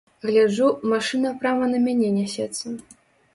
Гляджу, машына прама на мяне нясецца.